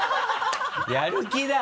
やる気だ！